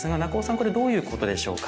これどういうことでしょうか？